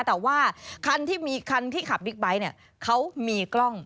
แต่ว่าคันที่ขับบิ๊กไบท์เขามีกล้อง